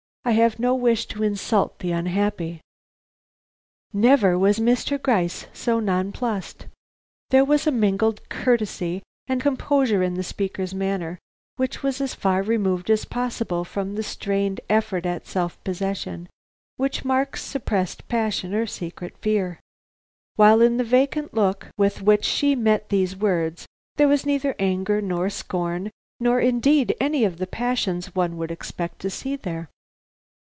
I have no wish to insult the unhappy." Never was Mr. Gryce so nonplussed. There was a mingled courtesy and composure in the speaker's manner which was as far removed as possible from that strained effort at self possession which marks suppressed passion or secret fear; while in the vacant look with which she met these words there was neither anger nor scorn nor indeed any of the passions one would expect to see there.